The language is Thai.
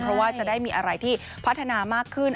เพราะว่าจะได้มีอะไรที่พัฒนามากขึ้น